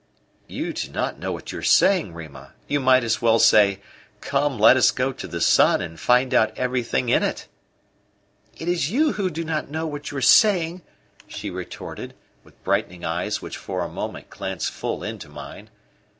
"You do not know what you are saying, Rima. You might as well say: 'Come, let us go to the sun and find out everything in it.'" "It is you who do not know what you are saying," she retorted, with brightening eyes which for a moment glanced full into mine.